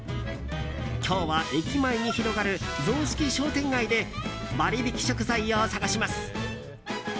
今日は駅前に広がる雑色商店街で割引食材を探します。